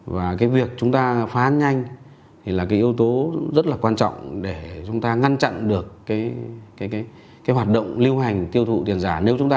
và cái việc chúng ta phán nhanh thì là cái yếu tố rất là quan trọng để chúng ta ngăn chặn được cái hoạt động lưu hành tiêu thụ tiền giả